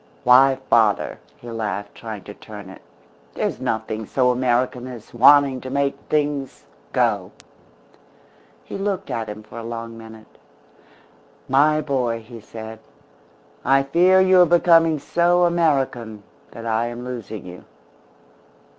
Why father," he laughed, trying to turn it, "there's nothing so American as wanting to make things go." He looked at him for a long minute. "My boy," he said, "I fear you are becoming so American that I am losing you."